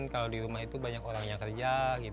kalau di rumah itu banyak orang yang kerja